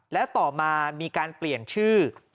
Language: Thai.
แล้วต่อมามีการเปลี่ยนชื่อ